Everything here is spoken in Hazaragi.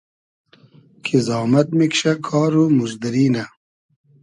کی زامئد میکشۂ ، کار و موزدوری نۂ